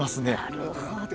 なるほど。